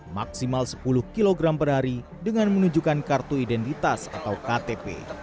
maksimal sepuluh kg per hari dengan menunjukkan kartu identitas atau ktp